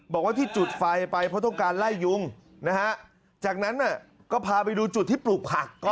บอกว่าที่จุดไฟไปเพราะต้องการไล่ยุงนะฮะจากนั้นก็พาไปดูจุดที่ปลูกผัก